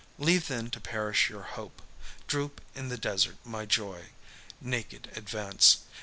Leave then to perish your hope; droop in the desert my joy; naked advance.